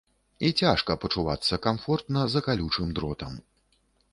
І цяжка пачувацца камфортна за калючым дротам.